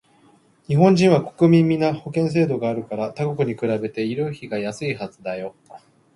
日本人は国民皆保険制度があるから他国に比べて医療費がやすいはずだよ